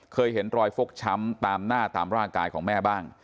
เห็นรอยฟกช้ำตามหน้าตามร่างกายของแม่บ้าง